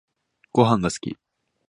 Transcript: ごはんが好き